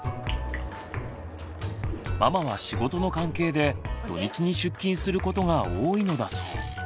ママは仕事の関係で土日に出勤することが多いのだそう。